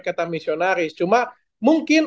kata misionaris cuma mungkin